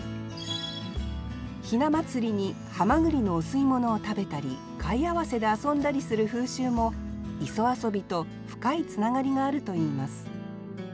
ひな祭りにはまぐりのお吸い物を食べたり貝合わせで遊んだりする風習も「磯遊」と深いつながりがあるといいます